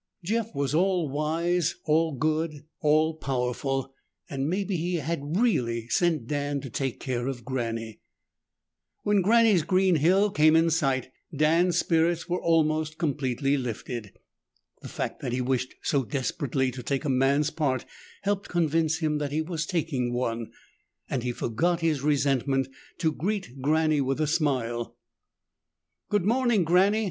Jeff was all wise, all good, all powerful, and maybe he had really sent Dan to take care of Granny. When Granny's green hill came in sight, Dan's spirits were almost completely lifted. The fact that he wished so desperately to take a man's part helped convince him that he was taking one, and he forgot his resentment to greet Granny with a smile. "Good morning, Granny."